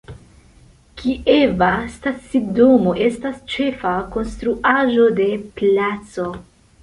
Kieva stacidomo estas ĉefa konstruaĵo de placo.